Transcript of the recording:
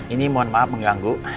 ini mohon maaf mengganggu